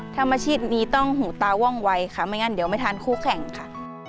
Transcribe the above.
ทำอาชีพนี้ต้องหูตาว่องวัยค่ะไม่งั้นเดี๋ยวไม่ทันคู่แข่งค่ะ